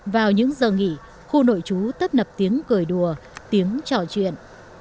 vào những giờ nghỉ khu nội chú tấp nập tiếng cười đùa tiếng trò chuyện